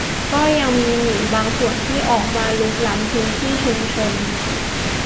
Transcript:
ยังมีหมีบางส่วนที่ออกมารุกล้ำพื้นที่ชุมชน